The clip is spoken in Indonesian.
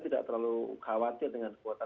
tidak terlalu khawatir dengan kekuatan